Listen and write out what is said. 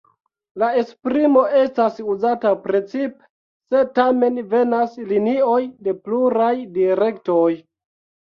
La esprimo estas uzata precipe, se tamen venas linioj de pluraj direktoj.